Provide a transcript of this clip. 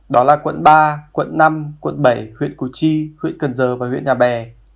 đó là quận ba quận năm quận bảy huyện củ chi huyện cần giờ và huyện nhà bè